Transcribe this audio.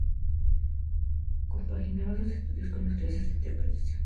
Compaginaba sus estudios con las clases de interpretación.